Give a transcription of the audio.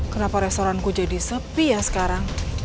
kenapa restoranku jadi sepi ya sekarang